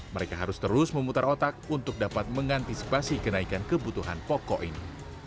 mereka harus terus memutar otak untuk dapat mengantisipasi kenaikan kebutuhan pokok ini